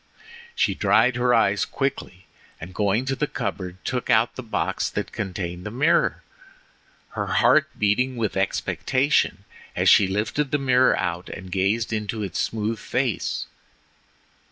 She dried her eyes quickly, and going to the cupboard took out the box that contained the mirror, her heart beating with expectation as she lifted the mirror out and gazed into its smooth face.